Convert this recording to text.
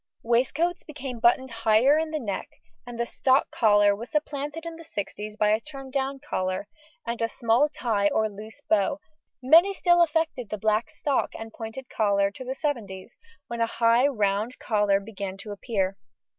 Waistcoats became buttoned higher in the neck, and the stock collar was supplanted in the sixties by a turn down collar, and small tie or loose bow; many still affected the black stock and pointed collar to the seventies, when a high round collar began to appear.